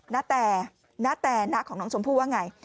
ณแต่ณแต่ณของน้องชมพู่ว่าไง